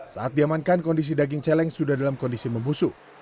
saat diamankan kondisi daging celeng sudah dalam kondisi membusuk